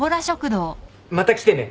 また来てね。